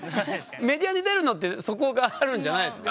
メディアに出るのってそこがあるんじゃないの？